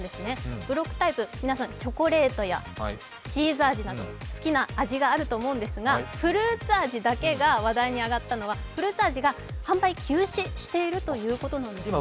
ブロックタイプ、チョコレートやチーズ味など好きな味があると思うんですが、チーズ味だけが話題に上がったのは、フルーツ味が販売休止しているということなんですね。